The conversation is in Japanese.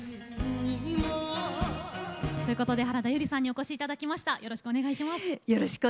ということで、原田悠里さんにお越しいただきました。